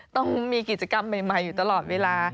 ต้องมีกิจกรรมใหม่อยู่ตลอดเวลา